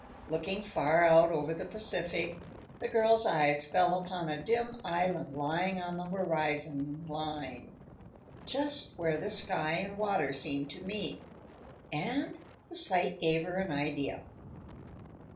Looking far out over the Pacific, the girl's eyes fell upon a dim island lying on the horizon line just where the sky and water seemed to meet and the sight gave her an idea.